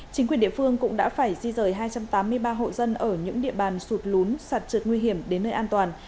chính quyền địa phương cũng đã phải di rời hai trăm tám mươi ba hộ dân ở những địa bàn sụt lún sạt trượt nguy hiểm đến nơi an toàn